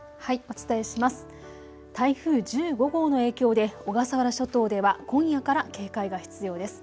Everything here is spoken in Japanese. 台風１５号の影響で小笠原諸島では今夜から警戒が必要です。